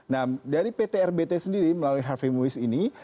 nah dari pt rbt sendiri melalui harvey waste ini